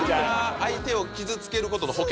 相手を傷つけることの保険。